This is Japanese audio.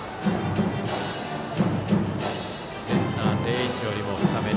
センター、定位置よりも深め。